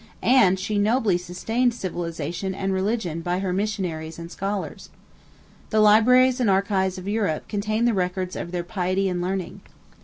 And she nobly sustained civilization and religion by her missionaries and scholars. The libraries and archives of Europe contain the records of their piety and learning.